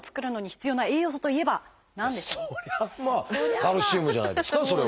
そりゃまあカルシウムじゃないですかそれは。